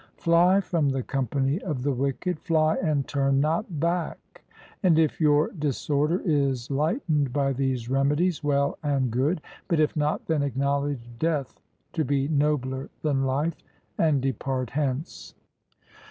Fly from the company of the wicked fly and turn not back; and if your disorder is lightened by these remedies, well and good, but if not, then acknowledge death to be nobler than life, and depart hence.